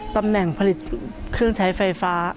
ตำแหน่งผลิตเครื่องใช้ไฟฟ้า